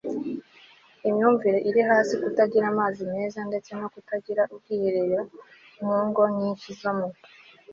imyumvire iri hasi kutagira amazi meza ndetse no kutagira ubwiherero mu ngo nyinshi zo mu